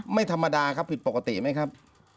ไม่ธรรมดาครับผิดปกติไหมครับ